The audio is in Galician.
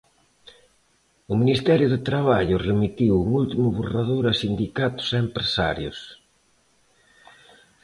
O Ministerio de Traballo remitiu un último borrador a sindicatos e empresarios.